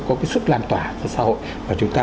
có cái sức lan tỏa cho xã hội và chúng ta